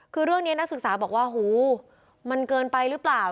คือเรื่องนี้นักศึกษาบอกว่าหูมันเกินไปหรือเปล่า